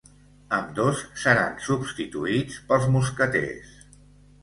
Ambdós seran substituïts pels mosqueters.